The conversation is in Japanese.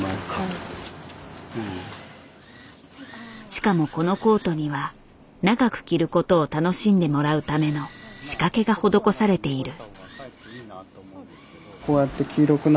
しかもこのコートには長く着る事を楽しんでもらうための仕掛けが施されている。